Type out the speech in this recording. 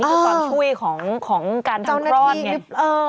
นี่คือความช่วยของการทำกร้อนไง